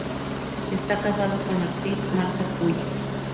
Está casado con la actriz Marta Puig.